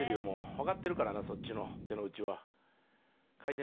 わかってるからなそっちの手の内は。